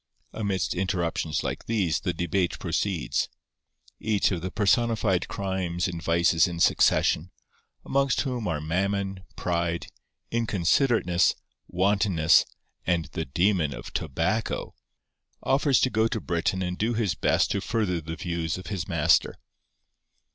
Amidst interruptions like these the debate proceeds. Each of the personified crimes and vices in succession—amongst whom are Mammon, Pride, Inconsiderateness, Wantonness, and the Demon of Tobacco—offers to go to Britain and do his best to further the views of his master.